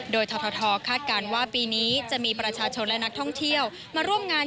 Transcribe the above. โดยททคาดการณ์ว่าปีนี้จะมีประชาชนและนักท่องเที่ยวมาร่วมงาน